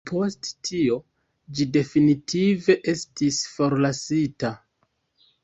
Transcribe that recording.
Post tio ĝi definitive estis forlasita.